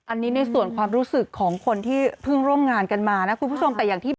อันนี้ในส่วนความรู้สึกของคนที่พึ่งร่วมงานกันมานะคุณผู้ชม